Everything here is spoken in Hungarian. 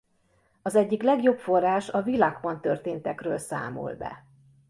Az egyik legjobb forrás a Villachban történtekről számol be.